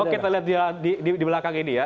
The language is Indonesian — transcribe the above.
kalau kita lihat di belakang ini ya